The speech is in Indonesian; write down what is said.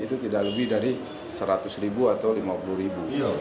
itu tidak lebih dari seratus ribu atau lima puluh ribu